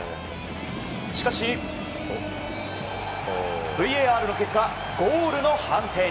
しかし、ＶＡＲの結果ゴールの判定に。